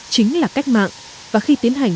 chính là cách mạng và khi tiến hành